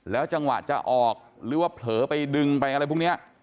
จังหวะจะออกหรือว่าเผลอไปดึงไปอะไรพวกนี้